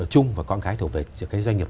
chung và có những cái thuộc về doanh nghiệp